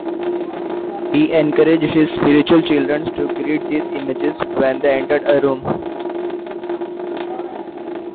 He encouraged his spiritual children to greet these images when they entered a room.